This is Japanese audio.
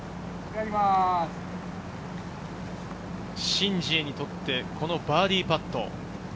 シン・ジエにとって、このバーディーパット。